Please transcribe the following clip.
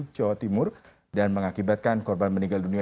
jawa timur dan mengakibatkan korban meninggal dunia